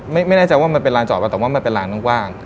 ไม่ได้แจ้ว่ามันเป็นลานจอดแต่มันเป็นลานทั้งว่าง